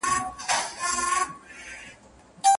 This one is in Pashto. څوک چي مړ سي هغه ځي د خدای دربار ته